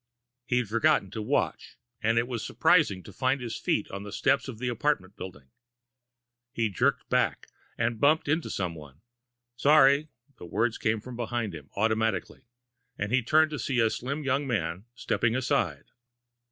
He'd forgotten to watch, and was surprised to find his feet on the steps of the apartment building. He jerked back, and bumped into someone. "Sorry." The words came from behind him, automatically, and he turned to see the slim young man stepping aside.